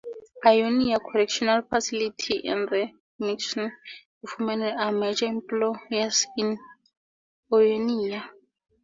Ionia Correctional Facility and the Michigan Reformatory are major employers in Ionia.